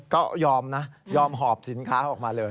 ก็ยอมนะยอมหอบสินค้าออกมาเลย